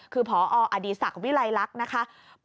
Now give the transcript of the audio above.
คือพออดีศักดิ์วิลัยลักษณ์นะคะ